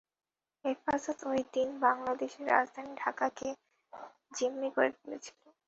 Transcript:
হেফাজত ওই দিন বাংলাদেশের রাজধানী ঢাকাকে জিম্মি করে ফেলেছিল।